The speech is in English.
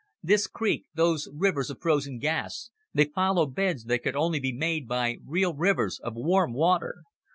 This creek, those rivers of frozen gas they follow beds that could only be made by real rivers of warm water.